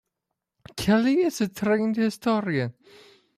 Kelly is a trained historian.